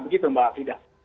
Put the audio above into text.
begitu mbak afida